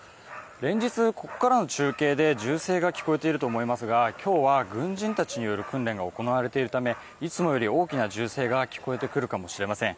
連日ここからの中継で銃声が聞こえていると思いますが今日は軍人たちによる訓練が行われているためいつもより大きな銃声が聞こえてくるかもしれません。